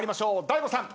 大悟さん。